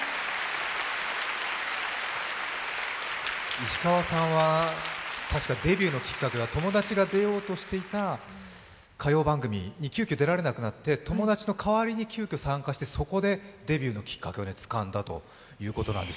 石川さんはたしかデビューのきっかけは友達が出ようとしていた歌謡番組に急きょ出られなくなって、友達の代わりに急きょ参加して、そこでデビューのきっかけをつかんだということなんです。